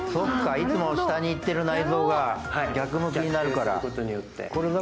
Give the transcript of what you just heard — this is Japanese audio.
いつも下にいってる内臓が逆になるから。